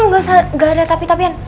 gak ada tapi tapian